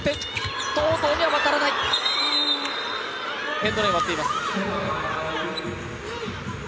エンドラインを割っています。